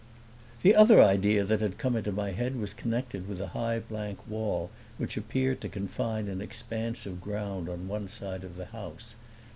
The other idea that had come into my head was connected with a high blank wall which appeared to confine an expanse of ground on one side of the house.